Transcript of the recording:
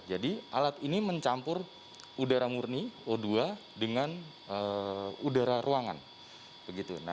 alat ini mencampur udara murni o dua dengan udara ruangan